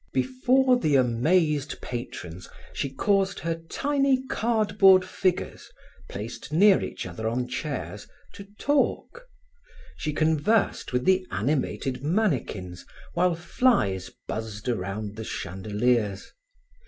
Before the amazed patrons, she caused her tiny cardboard figures, placed near each other on chairs, to talk; she conversed with the animated mannikins while flies buzzed around the chandeliers.